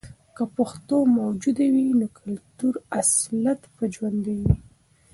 که پښتو موجوده وي، نو کلتوري اصالت به ژوندۍ وي.